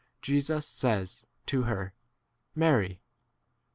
Jesus says to her, Mary.